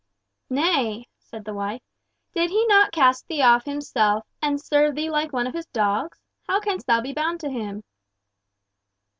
"Nay," said the wife, "did he not cast thee off himself, and serve thee like one of his dogs? How canst thou be bound to him?"